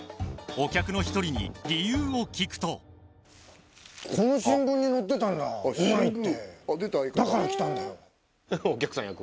お客の一人に理由を聞くとこの新聞に載ってたんだうまいってだから来たんだよ